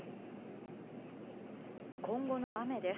今後の雨です。